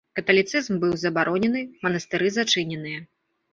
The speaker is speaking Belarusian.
Каталіцызм быў забаронены, манастыры зачыненыя.